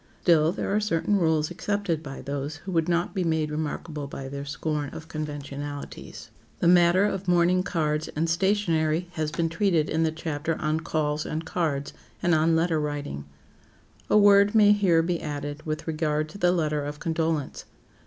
Still, there are certain rules accepted by those who would not be made remarkable by their scorn of conventionalities. The matter of mourning cards and stationery has been treated in the chapter on "Calls and Cards," and on "Letter Writing." A word may here be added with regard to the letter of condolence.